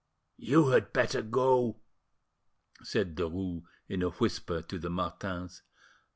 "You had better go," said Derues in a whisper to the Martins.